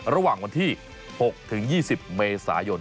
ระหว่างวันที่๖๒๐เมษายน